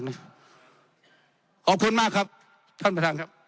ขอบคุณมากครับท่านประธานครับ